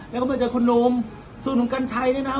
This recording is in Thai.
แล้วให้มีส่วนของกัญชัยได้นะฯ